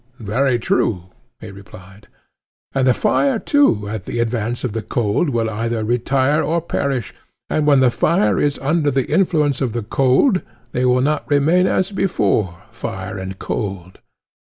Very true, he replied. And the fire too at the advance of the cold will either retire or perish; and when the fire is under the influence of the cold, they will not remain as before, fire and cold.